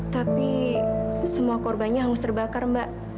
tapi semua korbannya hangus terbakar mbak